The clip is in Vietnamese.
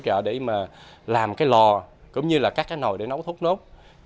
hỗ trợ hỗ trợ để làm cái lò cũng như là các cái nồi để nấu thốt nốt